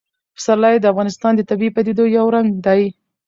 پسرلی د افغانستان د طبیعي پدیدو یو رنګ دی.